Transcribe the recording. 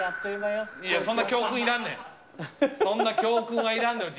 そんな教訓いらんねん。